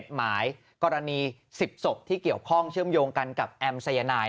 หมายกรณี๑๐ศพที่เกี่ยวข้องเชื่อมโยงกันกับแอมสายนาย